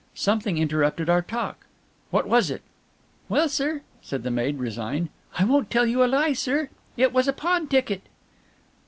Something interrupted our talk what was it?" "Well, sir," said the maid, resigned, "I won't tell you a lie, sir. It was a pawn ticket."